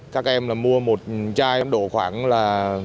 các em mua một chai đổ khoảng là